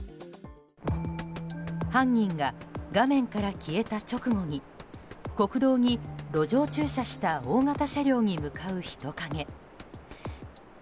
犯人が画面から消えた直後に国道に路上駐車した大型車両に向かう人影。